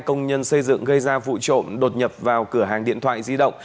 công nhân xây dựng gây ra vụ trộm đột nhập vào cửa hàng điện thoại di động